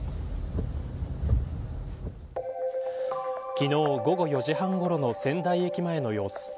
昨日、午後４時半ごろの仙台駅前の様子。